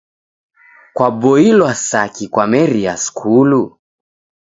Kwaboilwa saki kwameria skulu?